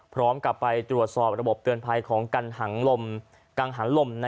พร้อมกับไปตรวจสอบระบบเตือนภัยของกันกังหันลม